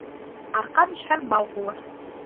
Арҡан ишһәң бау булыр